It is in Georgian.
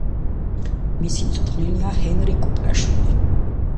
მისი მწვრთნელია ჰენრი კუპრაშვილი.